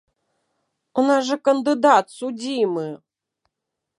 У нас жа кандыдат судзімы!